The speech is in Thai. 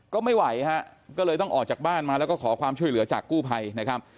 ก็ไม่ไหวฮะก็เลยต้องออกจากบ้านมาแล้วก็ขอความช่วยเหลือจากกู้ภัยนะครับ